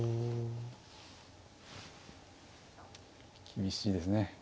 厳しいですね。